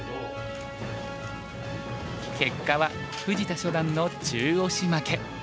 結果は藤田初段の中押し負け。